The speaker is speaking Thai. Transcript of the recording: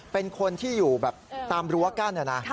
เป็นคนที่อยู่แบบตามรั้วกั้นนะนะ